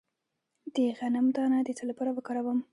د غنم دانه د څه لپاره وکاروم؟